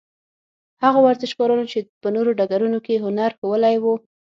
هغو ورزشکارانو چې په نورو ډګرونو کې هنر ښوولی وو.